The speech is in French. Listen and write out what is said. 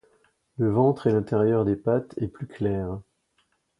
Le ventre et l'intérieur des pattes est plus clair.